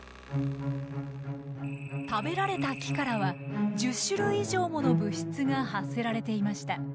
食べられた木からは１０種類以上もの物質が発せられていました。